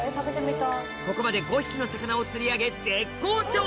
ここまで５匹の魚を釣り上げ絶好調！